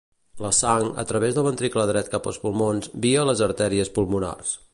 La sang a través del ventricle dret cap als pulmons via les artèries pulmonars.